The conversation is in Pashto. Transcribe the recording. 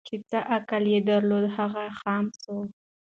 چي څه عقل یې درلودی هغه خام سو